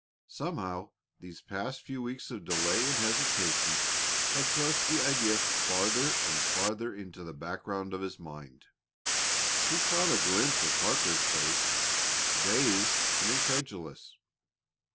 Somehow these past few weeks of delay and hesitation had thrust the idea farther and farther into the background of his mind. He caught a glimpse of Parker's face, dazed and incredulous.